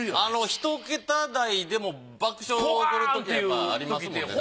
１桁台でも爆笑起こるときやっぱありますもんね。